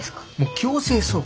強制送還。